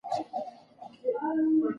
ایا شرکت ګټه کوي؟